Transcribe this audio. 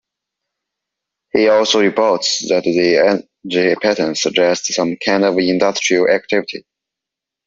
He also reports that the energy patterns suggest some kind of industrial activity.